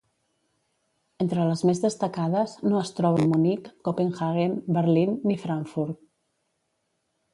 Entre les més destacades no es troben Munic, Copenhaguen, Berlín ni Frankfurt.